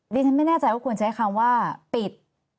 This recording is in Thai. ดิฉันไม่แน่ใจว่าควรใช้คำว่าปิด